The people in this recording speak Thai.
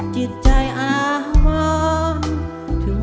คุณชะกัน